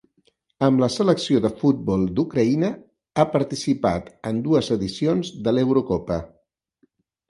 Amb la selecció de futbol d'Ucraïna ha participat en dues edicions de l'Eurocopa.